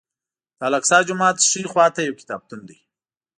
د الاقصی جومات ښي خوا ته یو کتابتون دی.